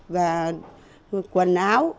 và quần áo